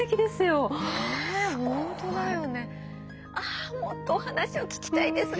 あもっとお話を聞きたいですが。